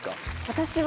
私は。